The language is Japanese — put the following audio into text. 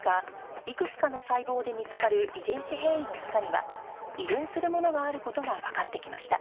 いくつかの細胞で見つかる遺伝子変異の中には遺伝するものがある事がわかってきました